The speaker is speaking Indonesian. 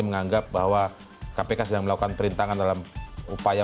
kalian tahu af passo gsp ini ya